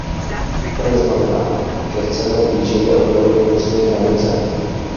To neznamená, že chceme plíživě obnovit vnitřní hranice.